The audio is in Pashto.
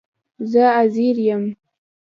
زه عزير يم